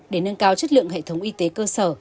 để nâng cao chất lượng hệ thống y tế cơ sở